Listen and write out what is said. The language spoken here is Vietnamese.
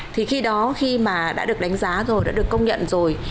thì khi đó khi mà đã được đánh giá rồi đã được công nhận rồi